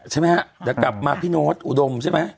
ใช่ไหมฮะเดี๋ยวกลับมาพี่โน๊ตอุดมใช่ไหม